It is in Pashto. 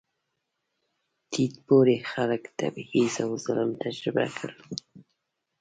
ټیټ پوړي خلک تبعیض او ظلم تجربه کړل.